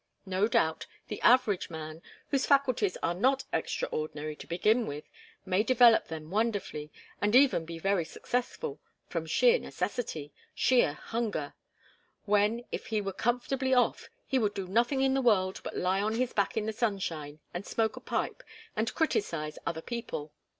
No doubt the average man, whose faculties are not extraordinary to begin with, may develop them wonderfully, and even be very successful from sheer necessity, sheer hunger; when, if he were comfortably off, he would do nothing in the world but lie on his back in the sunshine, and smoke a pipe, and criticise other people.